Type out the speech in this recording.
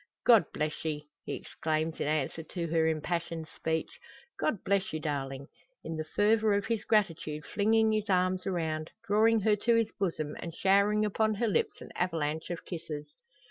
"God bless ye!" he exclaims in answer to her impassioned speech. "God bless you, darling!" in the fervour of his gratitude flinging his arms around, drawing her to his bosom, and showering upon her lips an avalanche of kisses.